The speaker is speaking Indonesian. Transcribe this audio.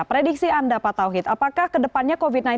prediksi anda pak tauhid apakah kedepannya covid sembilan belas